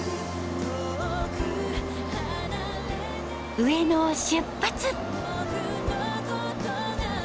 上野を出発。